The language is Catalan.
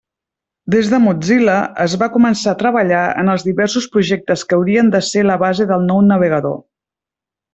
Des de Mozilla es va començar a treballar en els diversos projectes que haurien de ser la base del nou navegador.